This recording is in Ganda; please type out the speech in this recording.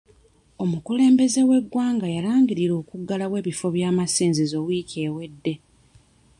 Omukulembeze w'eggwanga yalangirira okugulawo ebifo by'amasinzizo wiiki ewedde.